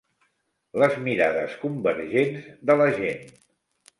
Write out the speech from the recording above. Les mirades convergents de la gent.